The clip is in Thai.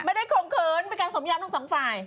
ไม่ได้ขงเขินเป็นการสมญาติทั้งสองฝ่าย